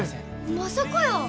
まさかやー。